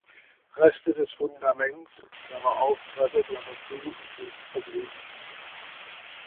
Reste des Fundaments (Treppe) sind verblieben.